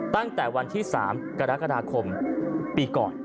ตั้งแต่วันที่๓กรกฎาคมปีก่อน